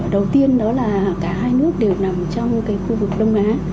đầu tiên đó là cả hai nước đều nằm trong cái khu vực đông á